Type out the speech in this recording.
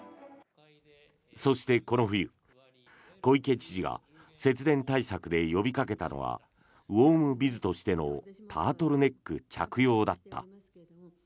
そして、この冬、小池知事が節電対策で呼びかけたのはウォームビズとしてのタートルネック着用だった。